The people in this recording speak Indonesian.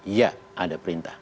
iya ada perintah